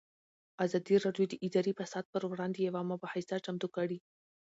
ازادي راډیو د اداري فساد پر وړاندې یوه مباحثه چمتو کړې.